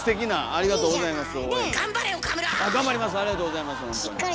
ありがとうございます。